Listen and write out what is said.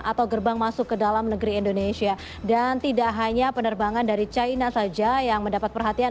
atau gerbang masuk ke dalam negeri indonesia dan tidak hanya penerbangan dari china saja yang mendapat perhatian